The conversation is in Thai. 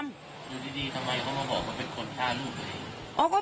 ดูดีทำไมเขามาบอกว่าเป็นคนท่าลูกเลย